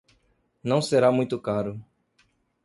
Não será muito caro.